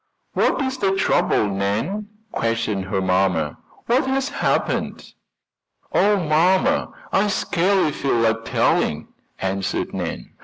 "What is the trouble, Nan?" questioned her mamma. "What has happened?" "Oh, mamma, I scarcely feel like telling," answered Nan.